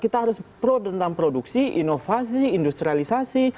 kita harus pro tentang produksi inovasi industrialisasi